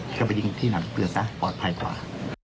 ก็ไปยิงที่สนามยิงปืนนะปลอดภัยกว่า